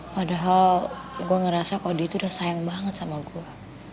padahal gue ngerasa kalau dia itu udah sayang banget sama gue